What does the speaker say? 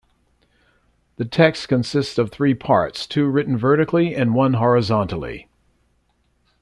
The text consists of three parts, two written vertically and one horizontally.